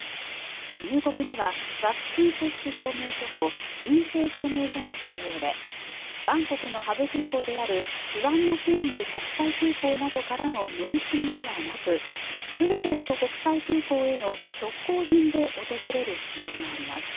入国にはワクチン接種証明書と陰性証明書が必要でバンコクのハブ空港である国際空港から乗り継ぎではなくプーケット国際空港への直行便で訪れる必要があります。